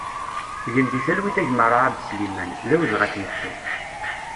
Gen di talwit a gma Raab Sliman, d awezɣi ad k-nettu!